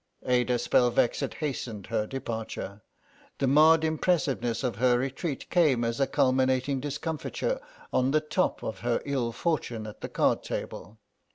Ada Spelvexit hastened her departure; the marred impressiveness of her retreat came as a culminating discomfiture on the top of her ill fortune at the card table.